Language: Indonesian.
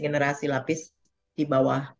generasi lapis di bawah